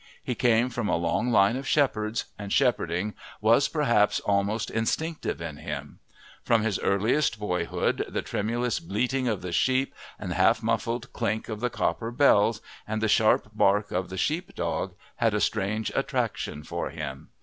He came from a long line of shepherds, and shepherding was perhaps almost instinctive in him; from his earliest boyhood the tremulous bleating of the sheep and half muffled clink of the copper bells and the sharp bark of the sheep dog had a strange attraction for him.